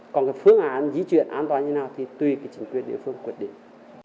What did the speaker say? còn cái phương án di chuyển an toàn như thế nào thì tùy cái chính quyền địa phương quyết định